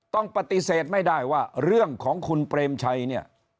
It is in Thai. ต้องปฏิเสธไม่ได้ว่าเรื่องของคุณเปรมชัยเนี่ย